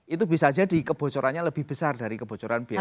itu bisa jadi kebocorannya lebih besar dari kebocoran biaya